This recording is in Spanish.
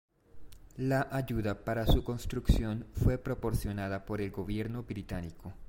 La ayuda para su construcción fue proporcionada por el Gobierno británico.